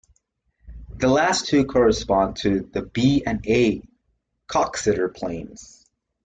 The last two correspond to the B and A Coxeter planes.